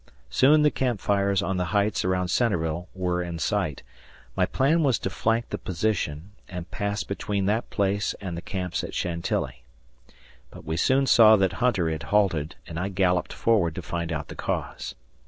Soon the camp fires on the heights around Centreville were in sight; my plan was to flank the position and pass between that place and the camps at Chantilly. But we soon saw that Hunter had halted, and I galloped forward to find out the cause.